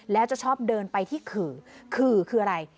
แล้วจะชอบเดินไปที่ขื่อขื่อคืออะไร